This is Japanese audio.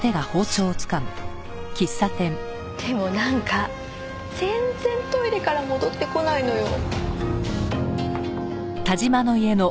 でもなんか全然トイレから戻ってこないのよ。